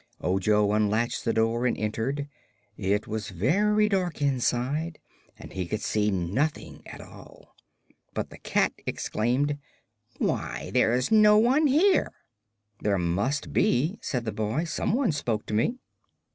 Ojo unlatched the door and entered. It was very dark inside and he could see nothing at all. But the cat exclaimed: "Why, there's no one here!" "There must be," said the boy. "Some one spoke to me."